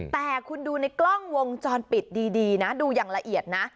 แต่คุณดูในกล้องวงจรปิดดีนะดูอย่างละเอียดนะ